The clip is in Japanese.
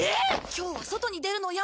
今日は外に出るのやめよう。